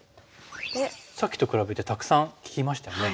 さっきと比べてたくさん利きましたよね。